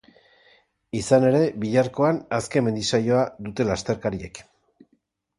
Izan ere, biharkoan azken mendi saioa dute lasterkariek.